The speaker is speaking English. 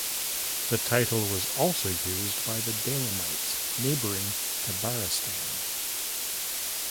The title was also used by the Daylamites neighbouring Tabaristan.